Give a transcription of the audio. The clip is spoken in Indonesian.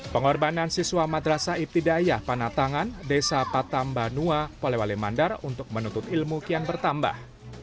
pengorbanan siswa madrasa ibtidayah panatangan desa patambanua polewale mandar untuk menuntut ilmu kian bertambah